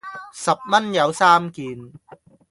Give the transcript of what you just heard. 十蚊有三件